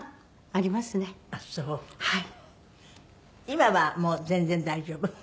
今はもう全然大丈夫？